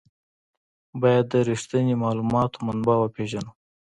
باید د رښتیني معلوماتو منبع وپېژنو.